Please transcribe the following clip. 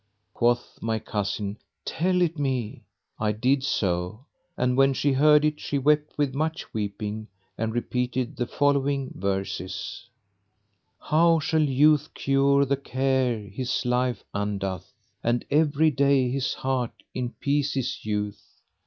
Quoth my cousin, "Tell it me." I did so; and when she heard it she wept with much weeping and repeated the following verses, 'How shall youth cure the care his life undo'th, * And every day his heart in pieces hew'th?